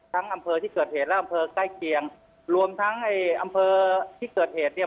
อำเภอที่เกิดเหตุและอำเภอใกล้เคียงรวมทั้งไอ้อำเภอที่เกิดเหตุเนี่ย